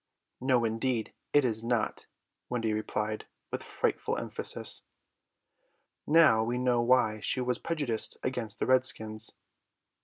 "No, indeed, it is not," Wendy replied with frightful emphasis. Now we know why she was prejudiced against the redskins.